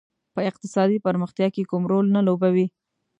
په اقتصادي پرمختیا کې کوم رول نه لوبوي.